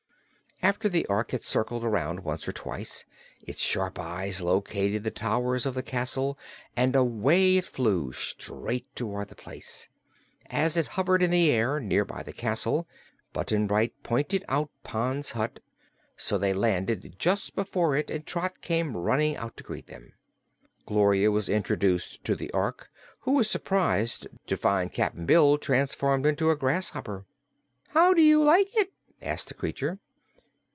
After the Ork had circled around once or twice, its sharp eyes located the towers of the castle and away it flew, straight toward the place. As it hovered in the air, near by the castle, Button Bright pointed out Pon's hut, so they landed just before it and Trot came running out to greet them. Gloria was introduced to the Ork, who was surprised to find Cap'n Bill transformed into a grasshopper. "How do you like it?" asked the creature.